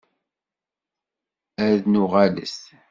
Ad nuɣalet!